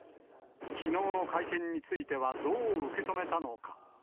きのうの会見については、どう受け止めたのか。